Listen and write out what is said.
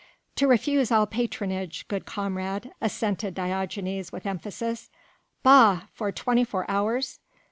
"To refuse all patronage, good comrade," assented Diogenes with emphasis. "Bah! for twenty four hours!..."